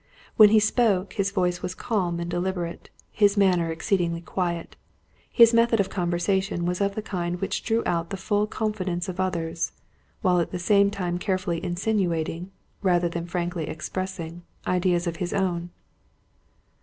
When he spoke his voice was calm and deliberate, his manner exceedingly quiet. His method of conversation was of the kind which drew out the full confidence of others, while at the same time carefully insinuating, rather than frankly expressing, ideas of his own.